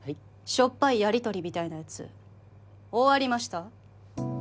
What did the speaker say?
しょっぱいやり取りみたいなやつ終わりました？